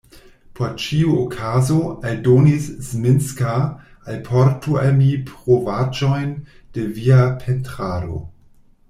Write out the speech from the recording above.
Por ĉiu okazo, aldonis Zminska, alportu al mi provaĵojn de via pentrado.